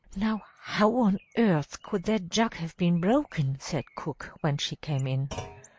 "'Now how on earth could that jug have been broken?' said cook, when she came in.